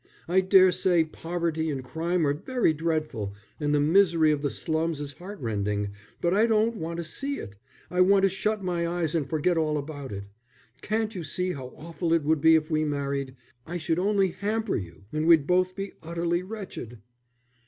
I dare say poverty and crime are very dreadful, and the misery of the slums is heart rending, but I don't want to see it. I want to shut my eyes and forget all about it. Can't you see how awful it would be if we married? I should only hamper you, and we'd both be utterly wretched."